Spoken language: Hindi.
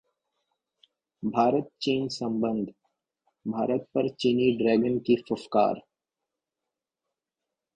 भारत-चीन संबंध: भारत पर चीनी ड्रैगन की फुफकार